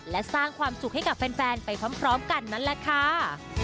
และสร้างความสุขให้กับแฟนไปพร้อมกันนั่นแหละค่ะ